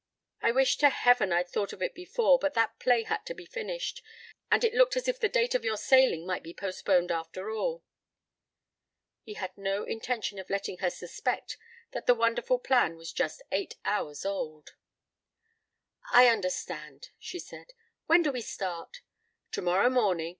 I wish to heaven I'd thought of it before, but that play had to be finished, and it looked as if the date of your sailing might be postponed, after all." He had no intention of letting her suspect that the wonderful plan was just eight hours old. "I understand," she said. "When do we start?" "Tomorrow morning.